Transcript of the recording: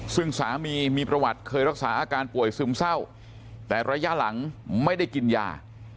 ซึ่งสามีมีประวัติเคยรักษาอาการป่วยซึมเศร้าแต่ระยะหลังไม่ได้กินยา